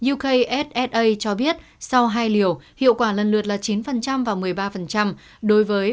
ukssa cho biết sau hai liều hiệu quả lần lượt là chín và một mươi ba đối với